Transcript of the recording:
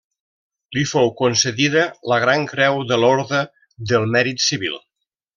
Li fou concedida la Gran Creu de l'Orde del Mèrit Civil.